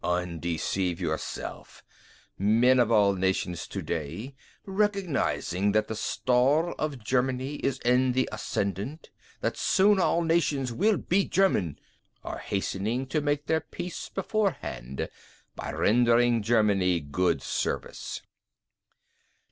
"Undeceive yourself. Men of all nations to day, recognising that the star of Germany is in the ascendant, that soon all nations will be German, are hastening to make their peace beforehand by rendering Germany good service."